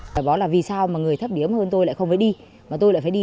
báo là vì sao người thấp điểm hơn tôi lại không phải đi mà tôi lại phải đi